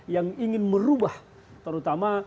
yang ingin merubah terutama